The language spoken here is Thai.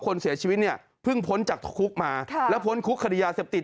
คนเสียชีวิตเนี่ยเพิ่งพ้นจากคุกมาแล้วพ้นคุกคดียาเสพติด